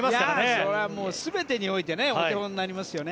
それはもう全てにおいてお手本になりますよね。